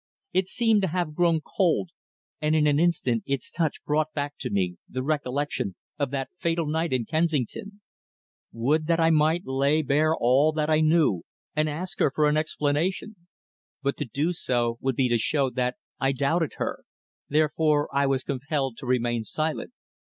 It seemed to have grown cold, and in an instant its touch brought back to me the recollection of that fatal night in Kensington. Would that I might lay bare all that I knew, and ask her for an explanation. But to do so would be to show that I doubted her; therefore I was compelled to remain silent.